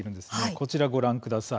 こちら、ご覧ください。